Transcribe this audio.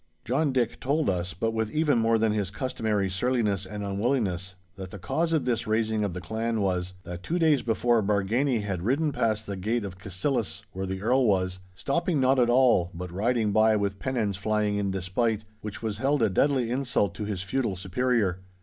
John Dick told us, but with even more than his customary surliness and unwillingness, that the cause of this raising of the clan was, that two days before Bargany had ridden past the gate of Cassillis, where the Earl was—stopping not at all, but riding by with pennons flying in despite, which was held a deadly insult to his feudal superior.